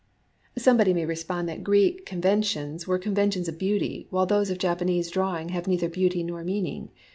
Somebody may respond that Greek conven tions were conventions of beauty, while those of Japanese drawing have neither beauty nor meaning.